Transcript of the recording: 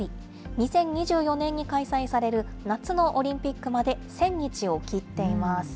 ２０２４年に開催される夏のオリンピックまで１０００日を切っています。